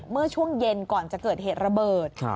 เมื่อช่วงเย็นก่อนจะเกิดเหตุระเบิด